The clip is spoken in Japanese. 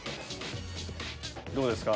どうですか？